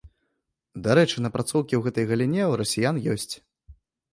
Дарэчы, напрацоўкі ў гэтай галіне ў расіян ёсць.